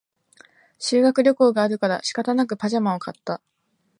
修学旅行があるから仕方なくパジャマを買った